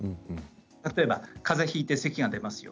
例えば、かぜをひいてせきが出ますよ。